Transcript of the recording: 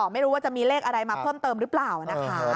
ไม่รู้ว่าจะมีเลขอะไรมาเพิ่มเติมหรือเปล่านะคะ